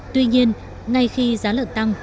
tuy nhiên ngay khi giá lợn